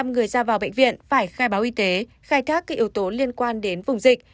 một trăm linh người ra vào bệnh viện phải khai báo y tế khai thác các yếu tố liên quan đến vùng dịch